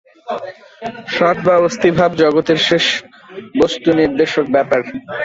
সৎ বা অস্তিভাব জগতের শেষ বস্তুনির্দেশক ব্যাপার।